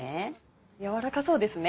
軟らかそうですね。